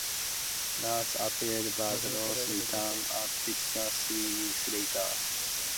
Knaus appealed, but lost, returning at Texas three weeks later.